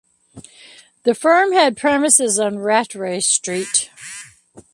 The firm had premises on Rattray Street.